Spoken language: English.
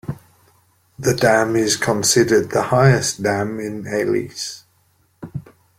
The dam is considered the highest dam in Elis.